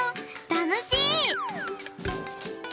たのしい！